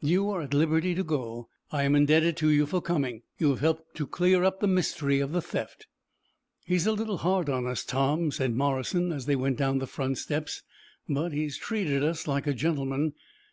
"You are at liberty to go. I am indebted to you for coming. You have helped to clear up the mystery of the theft." "He's a little hard on us, Tom," said Morrison, as they went down the front steps, "but he's treated us like a gentleman.